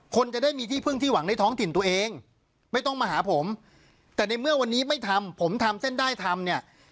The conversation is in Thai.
คนจะได้มีที่พึ่งที่หวังในท้องถิ่นตัวเองไม่ต้องมาหาผมแต่ในเมื่อวันนี้ไม่ทำผมทำเส้นได้ทำเนี่ย